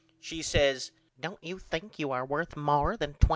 She says Don't you think you are worth more than $2800?